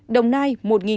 đồng nai một tám mươi năm